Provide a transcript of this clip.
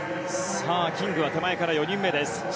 キングは手前から４人目です。